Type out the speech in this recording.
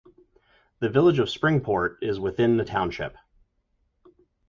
The Village of Springport is within the township.